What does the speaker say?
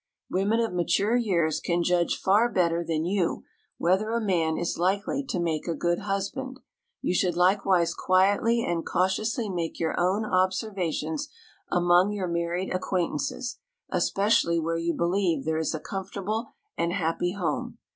Women of mature years can judge far better than you whether a man is likely to make a good husband. You should likewise quietly and cautiously make your own observations among your married acquaintances, especially where you believe there is a comfortable and happy home.